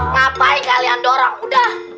ngapain kalian dorong udah